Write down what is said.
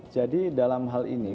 jadi dalam hal ini